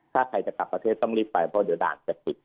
ถ้าใครจะกลับประเทศต้องรีบไปเพราะเดี๋ยวด่านจะปิด